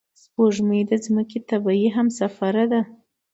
سپوږمۍ د ځمکې طبیعي همسفره ده